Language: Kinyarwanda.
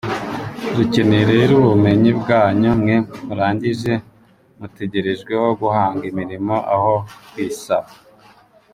Rukeneye rero ubumenyi bwanyu, mwe murangije mutegerejweho guhanga imirimo aho kuyisaba.